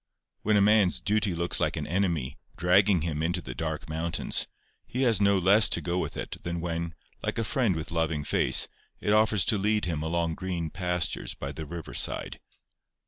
When a man's duty looks like an enemy, dragging him into the dark mountains, he has no less to go with it than when, like a friend with loving face, it offers to lead him along green pastures by the river side.